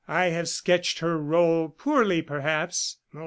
I have sketched her role poorly, perhaps.